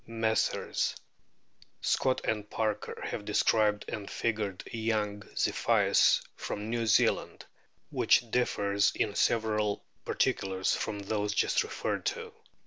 Messrs. Scott and Parker have described and figured f a young ZipJmis from New Zealand, which differs in several particulars from those just referred to.